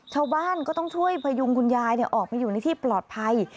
ชาวบ้านก็ต้องช่วยพยุงคุณยายออกมาอยู่ในที่ปลอดภัย